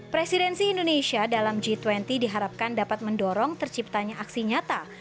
presidensi indonesia dalam g dua puluh diharapkan dapat mendorong terciptanya aksi nyata